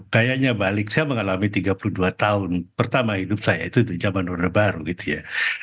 kayaknya balik saya mengalami tiga puluh dua tahun pertama hidup saya itu di zaman order baru gitu ya